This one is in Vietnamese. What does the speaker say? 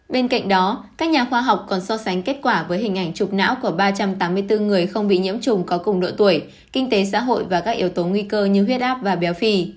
bên cạnh đó các nhà khoa học còn so sánh kết quả với hình ảnh chụp não của ba trăm tám mươi bốn người không bị nhiễm trùng có cùng độ tuổi kinh tế xã hội và các yếu tố nguy cơ như huyết áp và béo phì